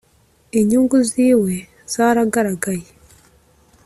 Inyungu ziwe zaragaragaye